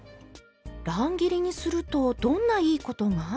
乱切りにするとどんないいことが？